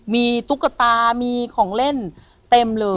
มีตุ๊กตามีของเล่นเต็มเลย